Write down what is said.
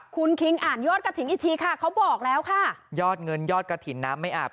คุณคิงอ่านยอดกระถิ่นอีกทีค่ะเขาบอกแล้วค่ะยอดเงินยอดกระถิ่นน้ำไม่อาบ